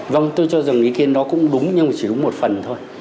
vâng tôi cho rằng ý kiến nó cũng đúng nhưng mà chỉ đúng một phần thôi